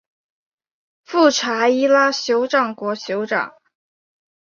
富查伊拉酋长国酋长